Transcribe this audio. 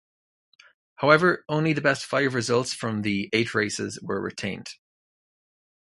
However, only the best five results from the eight races were retained.